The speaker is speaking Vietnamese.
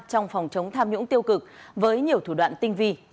trong phòng chống tham nhũng tiêu cực với nhiều thủ đoạn tinh vi